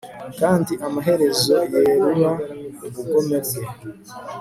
kandi amaherezo yerura ubugome bwe